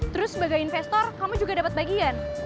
terus sebagai investor kamu juga dapat bagian